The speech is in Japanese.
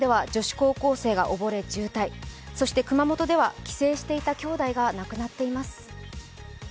埼玉では女子高校生が溺れ重体、そして熊本では帰省していたきょうだいが亡くなっています。